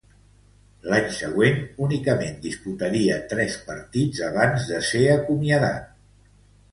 L'any següent, únicament disputaria tres partits abans de ser acomiadat.